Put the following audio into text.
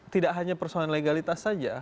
tidak hanya persoalan legalitas saja